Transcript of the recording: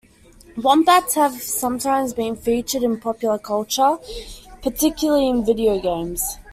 Wombats have sometimes been featured in popular culture, particularly in video games.